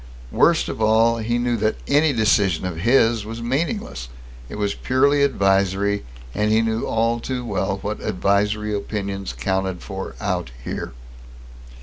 Worst of all, he knew that any decision of his was meaningless. It was purely advisory, and he knew all too well what "advisory" opinions counted for out here.